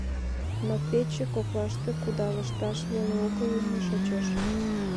Но пече коклаште кудалышташ веле огыл имне шочеш.